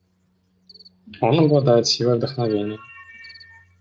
Он обладает силой вдохновения.